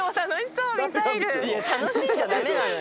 楽しんじゃダメなのよ。